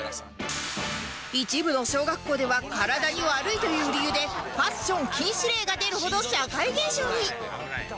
一部の小学校では体に悪いという理由でパッション禁止令が出るほど社会現象に